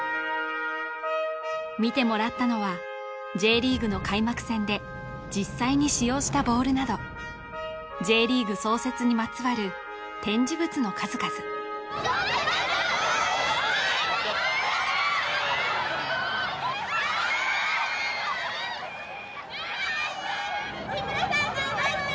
見てもらったのはＪリーグの開幕戦で実際に使用したボールなどＪリーグ創設にまつわる展示物の数々・頑張って！